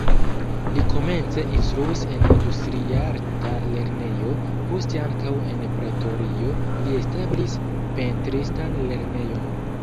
Li komence instruis en industriarta lernejo, poste ankaŭ en Pretorio li establis pentristan lernejon.